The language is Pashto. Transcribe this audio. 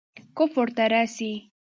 کفر ته رسي.